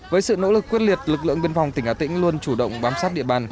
với sự nỗ lực quyết liệt lực lượng biên phòng tỉnh hà tĩnh luôn chủ động bám sát địa bàn